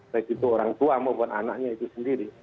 baik itu orang tua maupun anaknya itu sendiri